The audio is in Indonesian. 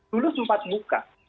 dulu sempat buka